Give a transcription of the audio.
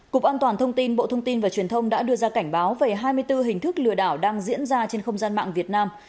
cục an toàn thông tin bộ thông tin và truyền thông đã đưa ra cảnh báo về hai mươi bốn hình thức lừa đảo đang diễn ra trên không gian mạng việt nam